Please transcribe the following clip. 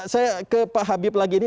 saya ke pak habib lagi ini